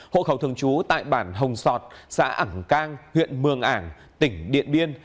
hộ khẩu thường trú tại bản hồng sọt xã ẩng cang huyện mường ảng tỉnh điện biên